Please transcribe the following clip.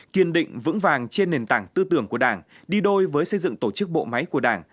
kiên định vững vàng trên nền tảng tư tưởng của đảng đi đôi với xây dựng tổ chức bộ máy của đảng